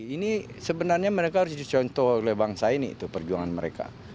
ini sebenarnya mereka harus dicontoh oleh bangsa ini tuh perjuangan mereka